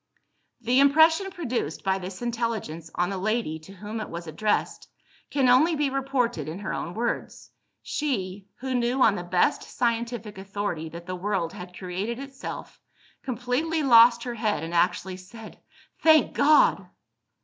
The impression produced by this intelligence on the lady to whom it was addressed, can only be reported in her own words. She who knew, on the best scientific authority, that the world had created itself completely lost her head, and actually said, "Thank God!"